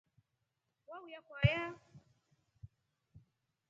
Wauya kwaya.